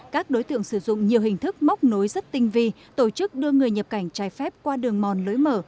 các đối tượng sử dụng nhiều hình thức móc nối rất tinh vi tổ chức đưa người nhập cảnh trái phép qua đường mòn lối mở